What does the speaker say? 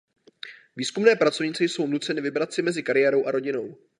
Výzkumné pracovnice jsou nuceny vybrat si mezi kariérou a rodinou.